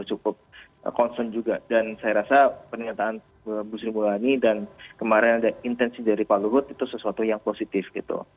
cukup concern juga dan saya rasa pernyataan bu sri mulyani dan kemarin ada intensi dari pak luhut itu sesuatu yang positif gitu